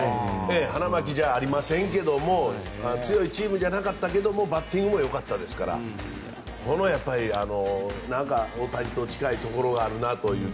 花巻じゃありませんけど強いチームじゃなかったけどバッティングもよかったですから大谷と近いところがあるなという。